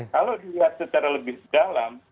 kalau dilihat secara lebih dalam